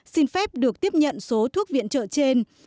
xin phép được tiếp nhận số thuốc viện trợ trên